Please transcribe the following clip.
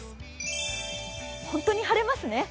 本当に晴れますね。